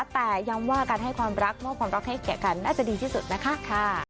แต่ย้ำว่าการให้ความรักมอบความรักให้แก่กันน่าจะดีที่สุดนะคะ